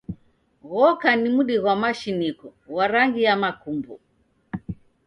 Ghoka ni mdi ghwa mashiniko ghwa rangi ya makumbo.